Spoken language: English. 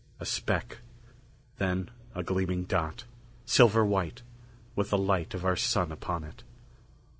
A speck. Then a gleaming dot, silver white, with the light of our Sun upon it.